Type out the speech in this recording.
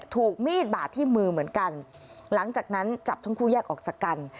ถูกมีดบาดที่มือเหมือนกันหลังจากนั้นจับทั้งคู่แยกออกจากกัน